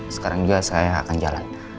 sekarang juga saya akan jalan